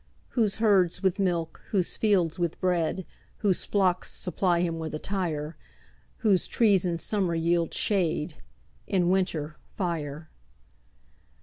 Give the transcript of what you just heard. Whose herds with milk, whose fields with bread, Whose flocks supply him with attire; Whose trees in summer yield shade, In winter, fire.